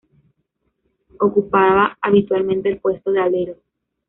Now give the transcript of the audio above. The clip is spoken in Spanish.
Ocupaba habitualmente el puesto de alero.